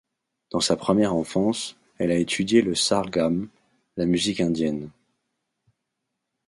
Dans sa première enfance, elle a étudié le Sargam, la musique indienne.